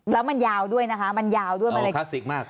แล้วมันยาวด้วยนะคะมันยาวด้วยมะเร็งคลาสสิกมาก